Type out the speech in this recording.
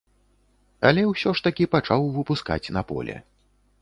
Але ўсё ж такі пачаў выпускаць на поле.